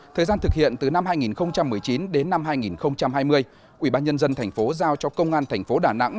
thời gian thực hiện từ năm hai nghìn một mươi chín đến năm hai nghìn hai mươi ủy ban nhân dân thành phố giao cho công an thành phố đà nẵng